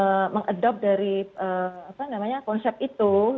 karena sekarang kita sudah mengadopsi dari konsep itu